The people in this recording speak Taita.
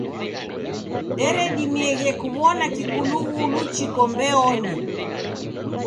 Deredimieghe kuw'ona kikulughulu chiko mbeonyi.